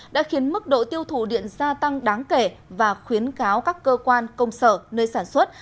đã khiến mức độ tiêu thủ điện gia tăng đáng kể và khuyến cáo các cơ quan công sở nơi sản xuất